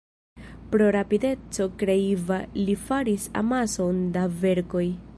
Pro rapideco kreiva li faris amason da verkoj.